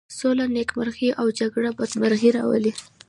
سوله نېکمرغي او جگړه بدمرغي راولي.